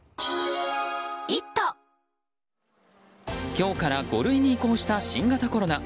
今日から５類に移行した新型コロナ。